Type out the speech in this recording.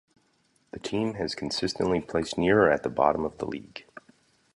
The team has consistently placed near or at the bottom of the league.